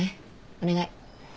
お願い。